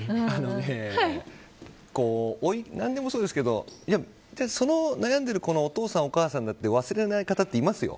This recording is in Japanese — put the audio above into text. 何でもそうですけど悩んでる子のお父さん、お母さんだって忘れられない方っていますよ。